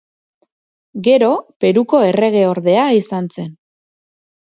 Gero Peruko erregeordea izan zen.